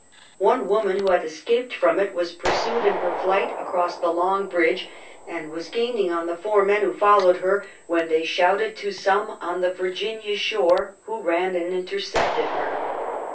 One woman, who had escaped from it, was pursued in her flight across the long bridge, and was gaining on the four men who followed her, when thej shouted to some on the Virginia shore, who ran and inter cepted her.